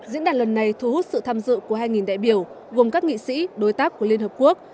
diễn đàn lần này thu hút sự tham dự của hai đại biểu gồm các nghị sĩ đối tác của liên hợp quốc